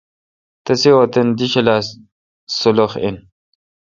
تسے° وطن دی ڄھلا سلُوخ این۔